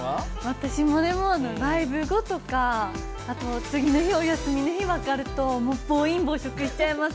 私もでもライブ後とかあと次の日お休みの日分かるともう暴飲暴食しちゃいます。